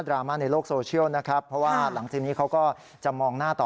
รามาในโลกโซเชียลนะครับเพราะว่าหลังจากนี้เขาก็จะมองหน้าต่อ